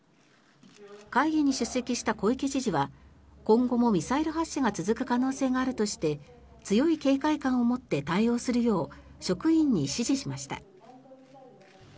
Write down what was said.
会議に出席した小池知事は今後もミサイル発射が続く可能性があるとして強い警戒感を持って対応するよう職員に指示しました。